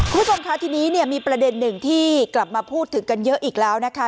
คุณผู้ชมค่ะทีนี้เนี่ยมีประเด็นหนึ่งที่กลับมาพูดถึงกันเยอะอีกแล้วนะคะ